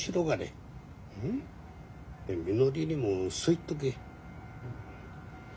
みのりにもそう言っとけ。